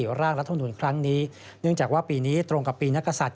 ร่างรัฐมนุนครั้งนี้เนื่องจากว่าปีนี้ตรงกับปีนักศัตริย